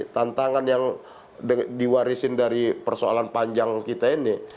tantangan yang diwarisin dari persoalan panjang kita ini